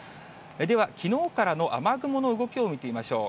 では、きのうからの雨雲の動きを見てみましょう。